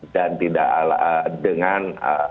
dan tidak dengan